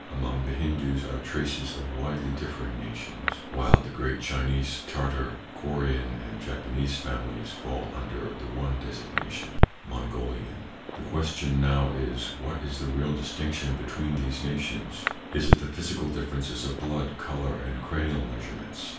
Among the Hindoos are traces of widely differing nations, while the great Chinese, Tartar, Corean and Japanese families fall under the one designation—Mongolian. The question now is: What is the real distinction between these nations? Is it the physical differences of blood, color and cranial measurements?